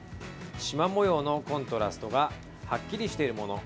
しま模様のコントラストがはっきりしているもの。